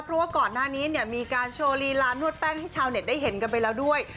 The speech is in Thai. เพราะว่าก่อนหน้านี้เนี่ยมีการโชว์ลีลานวดแป้งให้ชาวเน็ตได้เห็นกันไปแล้วด้วย